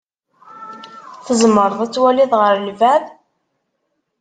Tzemred ad twalid ɣer lbeɛd?